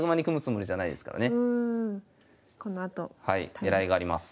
狙いがあります。